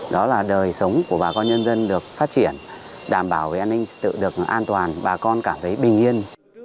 đó là đời sống của bà con nhân dân được phát triển đảm bảo về an ninh trật tự được an toàn bà con cảm thấy bình yên